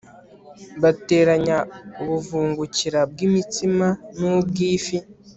bateranya ubuvungukira bw imitsima n ubw ifi